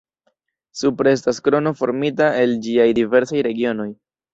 Supre estas krono formita el ĝiaj diversaj regionoj.